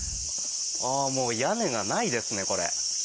屋根がないですね、これ。